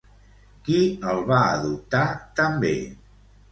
Qui el va adoptar també?